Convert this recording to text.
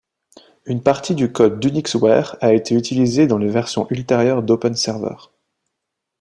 Une partie du code d'UnixWare a été réutilisé dans les versions ultérieures d'OpenServer.